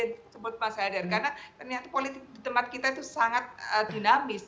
karena ternyata politik di tempat kita itu sangat dinamis